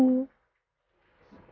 kamu boleh menganggup atau